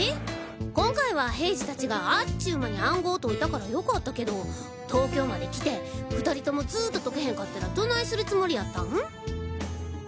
今回は平次達があっちゅう間に暗号解いたから良かったけど東京まで来て２人ともずっと解けへんかったらどないするつもりやったん？